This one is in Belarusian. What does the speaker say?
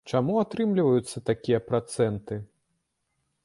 Чаму атрымліваюцца такія працэнты?